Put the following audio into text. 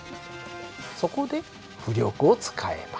そこで浮力を使えば。